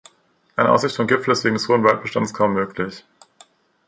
Eine Aussicht vom Gipfel ist wegen des hohen Waldbestandes kaum möglich.